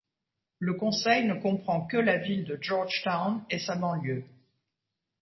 Le conseil ne comprend que la ville de George Town et sa banlieue.